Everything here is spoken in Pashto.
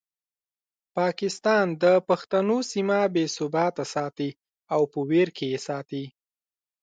پاکستان د پښتنو سیمه بې ثباته ساتي او په ویر کې یې ساتي.